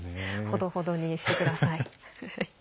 ほどほどにしてください。